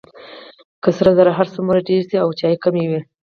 که سره زر هر څومره ډیر شي او چای کم وي.